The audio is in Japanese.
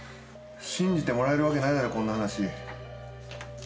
信じてもらえるわけないやろこんな話。